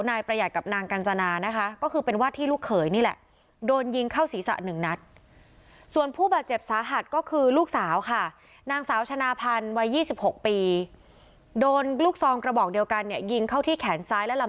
นายประหยัดกับนางกัญจนานะคะก็คือเป็นวาดที่ลูกเคยนี่แหละ